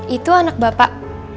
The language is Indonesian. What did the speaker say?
itu anak bapak